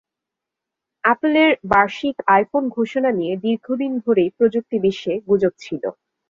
অ্যাপলের বার্ষিক আইফোন ঘোষণা নিয়ে দীর্ঘদিন ধরেই প্রযুক্তি বিশ্বে গুজব ছিল।